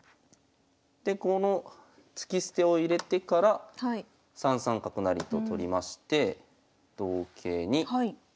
でこの突き捨てを入れてから３三角成と取りまして同桂に。